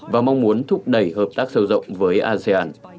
và mong muốn thúc đẩy hợp tác sâu rộng với asean